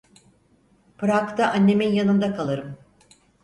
Prag'da, annemin yanında kalırım.